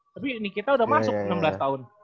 tapi ini kita sudah masuk enam belas tahun